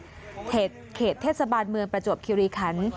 เขตเทศบาลเมืองประจวบคิริคัน